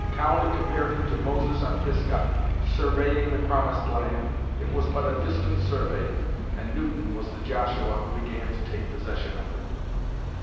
Cowley compared him to Moses on Pisgah surveying the promised land; it was but a distant survey, and Newton was the Joshua who began to take possession of it.